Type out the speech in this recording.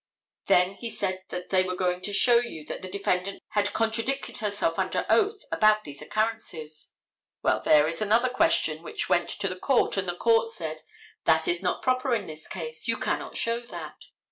Then he said that they were going to show you that the defendant had contradicted herself under oath about these occurrences. Well, there is another question which went to the court, and the court said: "That is not proper in this case. You cannot show that."